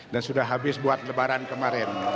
dan sudah habis buat lebaran kemarin